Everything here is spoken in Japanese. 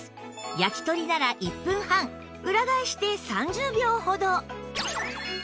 焼き鳥なら１分半裏返して３０秒ほど